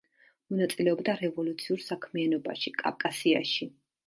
მონაწილეობდა რევოლუციურ საქმიანობაში კავკასიაში.